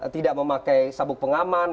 tidak memakai sabuk pengaman